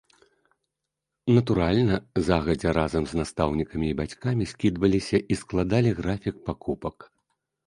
Натуральна, загадзя разам з настаўнікамі і бацькамі скідваліся і складалі графік пакупак.